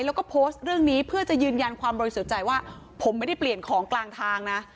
แล้วก็โพสต์เรื่องนี้เพื่อจะยืนยันความบริสุทธิ์ใจว่าผมไม่ได้เปลี่ยนของกลางทางนะ